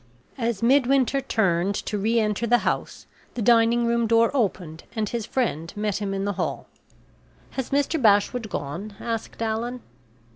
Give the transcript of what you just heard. As Midwinter turned to re enter the house, the dining room door opened and his friend met him in the hall. "Has Mr. Bashwood gone?" asked Allan.